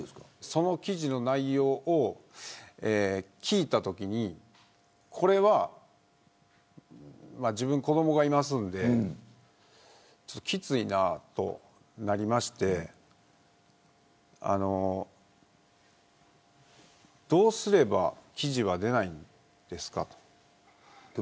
その記事の内容を聞いたときにこれは自分、子どもがいますのできついな、となりましてどうすれば記事は出ないんですかと。